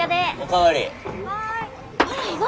はい。